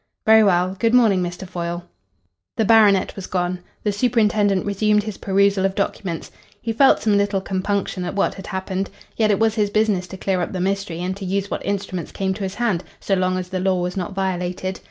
"Very well. Good morning, Mr. Foyle." The baronet was gone. The superintendent resumed his perusal of documents. He felt some little compunction at what had happened. Yet it was his business to clear up the mystery, and to use what instruments came to his hand, so long as the law was not violated.